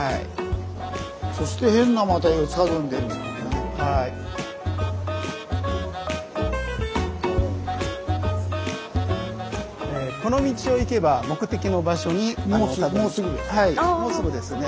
そしてもうすぐですね。